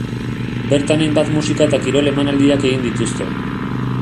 Bertan hainbat musika eta kirol emanaldiak egiten dituzte.